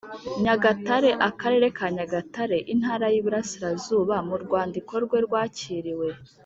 Nyagatare akarere ka nyagatare intara y iburasirazuba mu rwandiko rwe rwakiriwe